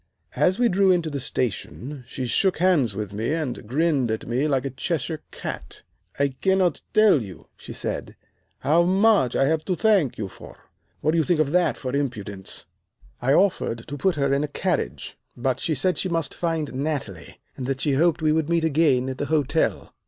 As we drew into the station she shook hands with me and grinned at me like a Cheshire cat. "'I cannot tell you,' she said, 'how much I have to thank you for.' What do you think of that for impudence! "I offered to put her in a carriage, but she said she must find Natalie, and that she hoped we would meet again at the hotel.